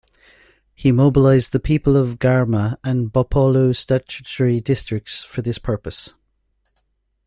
He mobilized the people of Gbarma and Bopolu Statutory Districts for this purpose.